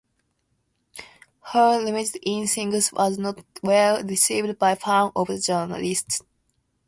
Her retirement in singles was not well received by fans or journalists.